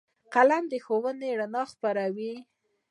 قلم د ښوونې رڼا خپروي